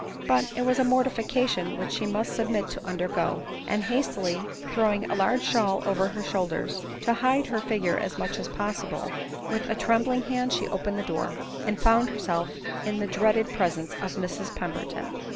But it was a mortification which she must submit tp undergo ; and hastily throwing a large shawl over her shoulders, to hide her figure as much as possible, with a ^^^ L l^UM ADELINE MOWBRAY. 143 trembling hand she opened the door, and found herself in the dreaded presence of Mrs Emberton.